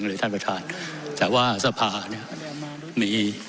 ไม่ได้เป็นประธานคณะกรุงตรี